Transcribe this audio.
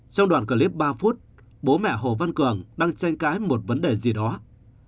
trong đoạn clip ba phút bố mẹ hồ văn cường đang tranh cãi một vấn đề duy nhất